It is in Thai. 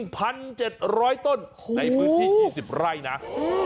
๑๗๐๐ต้นในวิธี๒๐ไร่นะอ่า